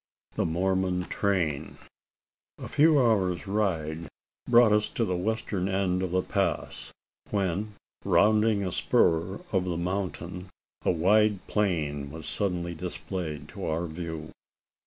THE MORMON TRAIN. A few hours' ride brought us to the western end of the pass; when, rounding a spur of the mountain, a wide plain was suddenly displayed to our view.